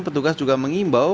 petugas juga mengimbau